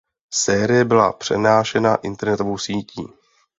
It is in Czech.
Série byla přenášena internetovou sítí.